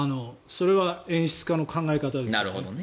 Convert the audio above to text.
それは演出家の考え方ですね。